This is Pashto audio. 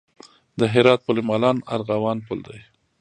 د هرات پل مالان ارغوان پل دی